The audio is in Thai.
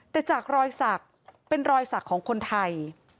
แต่จากรอยศักดิ์เป็นรอยศักดิ์ของคนไทย